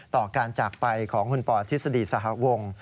ต่อการจากไปของคุณปอทฤษฎีสหวง